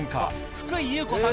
福井優子さん